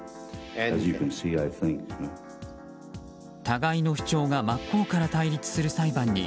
互いの主張が真っ向から対立する裁判に